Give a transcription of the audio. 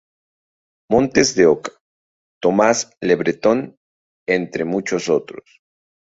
Montes de Oca, Tomás le Breton, entre muchos otros.